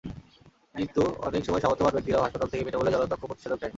কিন্তু অনেক সময় সামর্থ্যবান ব্যক্তিরাও হাসপাতাল থেকে বিনা মূল্যে জলাতঙ্ক প্রতিষেধক নেন।